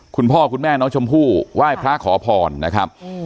คุณพ่อคุณแม่น้องชมพู่ไหว้พระขอพรนะครับ